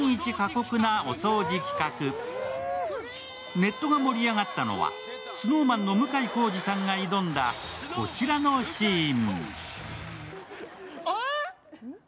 ネットが盛り上がったのは、ＳｎｏｗＭａｎの向井康二さんが挑んだ、こちらのシーン。